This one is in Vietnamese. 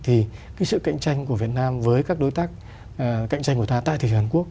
thì cái sự cạnh tranh của việt nam với các đối tác cạnh tranh của ta tại thị trường hàn quốc